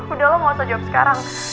udah lo gak usah jawab sekarang